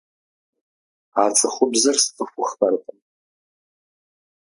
А цӀыхубзыр сцӀыхуххэркъым.